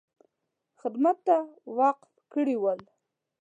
خدمت ته وقف کړي ول.